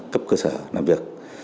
cấp cơ sở làm việc